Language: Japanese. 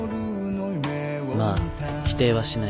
まぁ否定はしない。